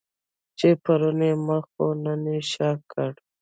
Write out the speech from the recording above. چې پرون یې مخ وو نن یې شا کړه.